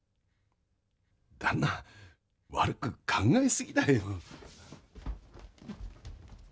旦那悪く考えすぎだよ。